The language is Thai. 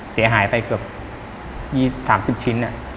เสียหายไปเกือบ๓๐ชิ้นอะ๓๐กว่าชิ้น